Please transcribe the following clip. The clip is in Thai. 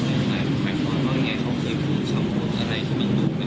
จะไม่ดุอะไรไหม